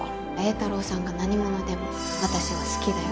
榮太郎さんが何者でも私は好きだよ。